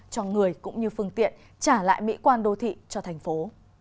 cho người cũng như phương tiện trả lại mỹ quan đô thị cho thành phố